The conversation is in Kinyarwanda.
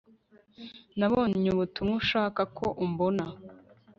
Nabonye ubutumwa ushaka ko umbona